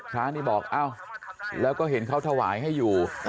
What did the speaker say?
คราวนี้บอกแล้วก็เห็นเขาถวายให้อยู่